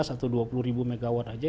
lima belas atau dua puluh ribu megawatt aja